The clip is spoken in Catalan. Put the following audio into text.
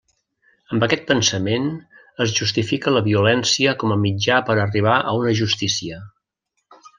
Amb aquest pensament es justifica la violència com a mitjà per arribar a una justícia.